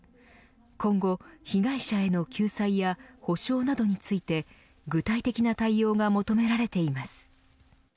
今後、被害者への救済や補償などについて具体的な対応が求められています。